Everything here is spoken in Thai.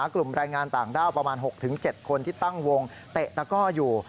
กลุ่มแรงงานต่างด้าวประมาณ๖๗คนที่ตั้งวงเตะตะก้ออยู่